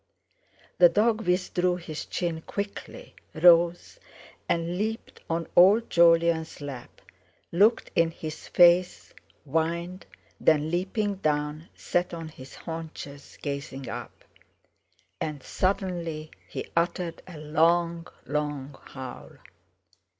The dog withdrew his chin quickly, rose, and leaped on old Jolyon's lap, looked in his face, whined; then, leaping down, sat on his haunches, gazing up. And suddenly he uttered a long, long howl.